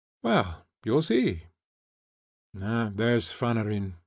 Well, you'll see. There's Fanarin.